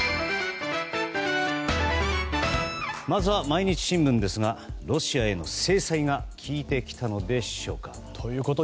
まずは毎日新聞ですがロシアへの制裁が効いてきたのでしょうか。